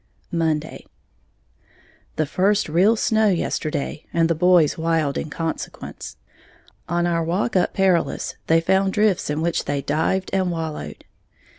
Monday. The first real snow yesterday, and the boys wild in consequence. On our walk up Perilous, they found drifts in which they dived and wallowed.